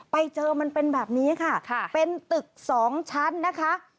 ไปเจอมันเป็นแบบนี้ค่ะเป็นตึกสองชั้นนะคะ